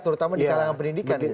terutama di kalangan pendidikan